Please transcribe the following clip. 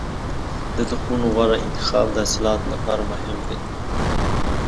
د تخمونو غوره انتخاب د حاصلاتو لپاره مهم دی.